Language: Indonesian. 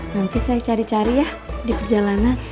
nanti saya cari cari ya di perjalanan